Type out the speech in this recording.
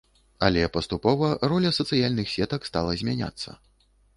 Але паступова роля сацыяльных сетак стала змяняцца.